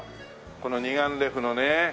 この二眼レフのね。